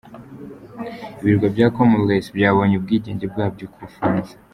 Ibirwa bya Comores byabonye ubwigenge bwabyo ku Bufaransa.